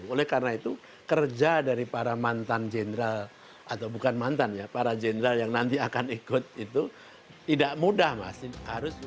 oleh karena itu kerja dari para mantan jenderal atau bukan mantan ya para jenderal yang nanti akan ikut itu tidak mudah mas